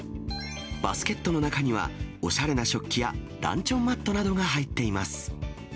バスケットの中には、おしゃれな食器やランチョンマットなどが入っています。